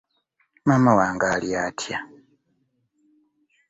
Maama wange ali atya?